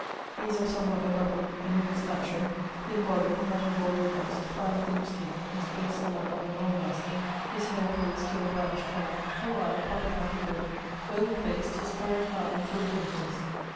He is of somewhat above a middle stature, thin body, not at all robust: fine thin skin, his face somewhat of an olivaster; his hayre frizzd, of a brownish colour; full eye, popping out and working: ovall faced, his forehead high and full of wrinckles.